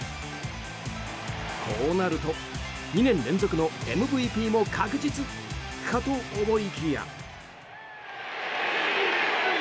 こうなると２年連続のＭＶＰも確実かと思いきや。